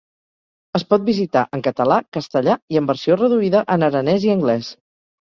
Es pot visitar en català, castellà, i en versió reduïda, en aranès i anglès.